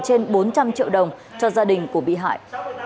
trên bốn trăm linh triệu đồng cho gia đình của bị hại